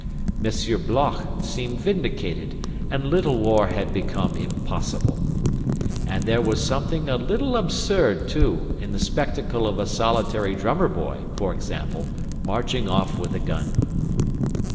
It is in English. Monsieur Bloch seemed vindicated, and Little War had become impossible. And there was something a little absurd, too, in the spectacle of a solitary drummer boy, for example, marching off with a gun.